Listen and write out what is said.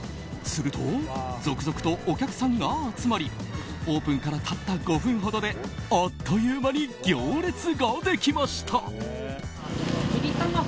すると、続々とお客さんが集まりオープンからたった５分ほどであっという間に行列ができました。